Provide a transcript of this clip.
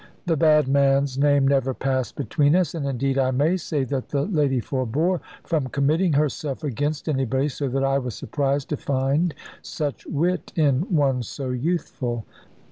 The bad man's name never passed between us; and indeed I may say that the lady forbore from committing herself against anybody, so that I was surprised to find such wit in one so youthful.